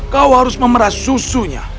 kau harus memerah susunya